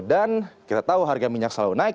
dan kita tahu harga minyak selalu naik